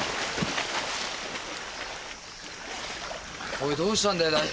おいどうしたんだよ大地。